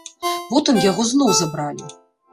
Потым яго зноў забралі.